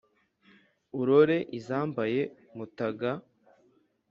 urore izambaye mutaga